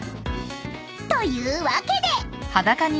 というわけで］